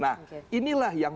nah inilah yang